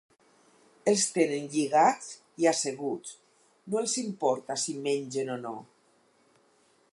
Els tenen lligats i asseguts, no els importa si mengen o no.